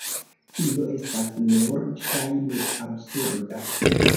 Tio estas nur ŝajne absurda.